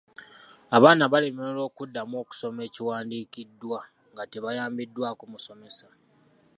Abaana baalemererwa okuddamu okusoma ekiwandiikiddwa nga tebayambiddwako musomesa.